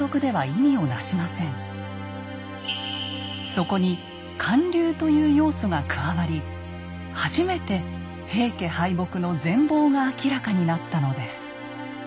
そこに還流という要素が加わり初めて平家敗北の全貌が明らかになったのです。